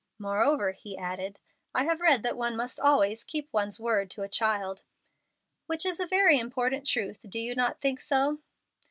"Moreover," he added, "I have read that one must always keep one's word to a child." "Which is a very important truth: do you not think so?"